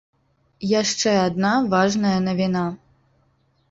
Яшчэ адна важная навіна.